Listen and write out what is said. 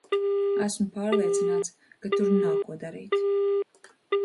Esmu pārliecināts, ka tur nav ko darīt.